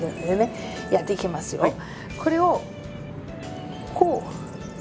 これをこう。